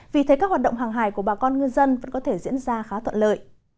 vì thế các hoạt động hàng hải của bà con ngư dân vẫn có thể diễn ra khá tuận lợi